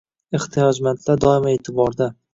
Ehtiyojmandlar doimo e’tiborda